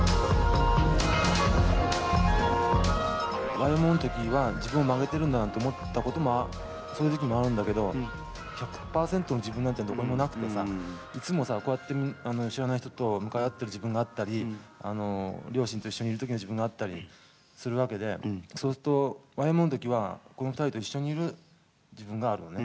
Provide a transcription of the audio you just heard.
ＹＭＯの時は自分を曲げてるんだなんて思ったこともそういう時期もあるんだけど１００％の自分なんてどこにもなくてさいつもさこうやって知らない人と向かい合ってる自分があったり両親と一緒にいる時の自分があったりするわけでそうするとＹＭＯの時はこの２人と一緒にいる自分があるのね。